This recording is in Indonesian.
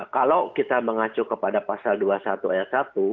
kalau kita mengacu kepada pasal dua puluh satu ayat satu